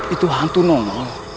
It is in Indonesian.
itu hantu nomel